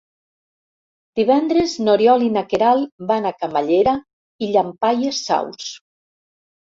Divendres n'Oriol i na Queralt van a Camallera i Llampaies Saus.